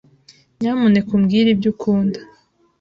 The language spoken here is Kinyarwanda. Nyamuneka umbwire ibyo ukunda.